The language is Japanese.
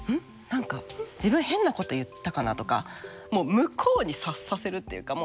何か自分変なこと言ったかな」とか向こうに察させるっていうか。